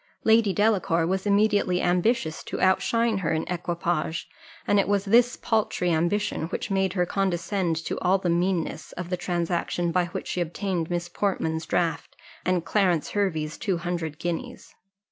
Lady Delacour was immediately ambitious to outshine her in equipage; and it was this paltry ambition that made her condescend to all the meanness of the transaction by which she obtained Miss Portman's draft, and Clarence Hervey's two hundred guineas.